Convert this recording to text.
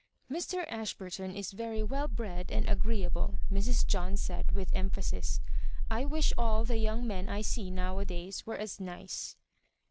" Mr. Ashburton is very well bred and^ agree able," Mrs. John said, with emphasis. " I wish all the young men I see nowadays were as nice."